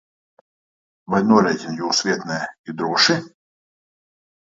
Vai norēķini jūsu vietnē ir droši?